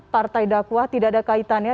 partai dakwah tidak ada kaitannya